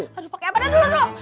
aduh pakai apa dah dulu nuru